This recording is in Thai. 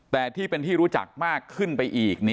แต่ที่เป็นที่รู้จักมากขึ้นไปอีก